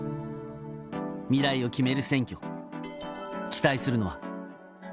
未来を決める選挙、期待するのは。